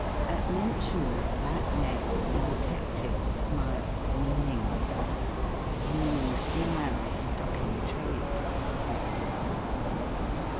At mention of that name the detective smiled meaningly. (A meaning smile is stock in trade to a detective.)